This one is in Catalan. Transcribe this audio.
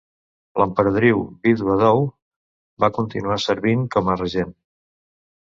L'Emperadriu Vídua Dou va continuar servint com a regent.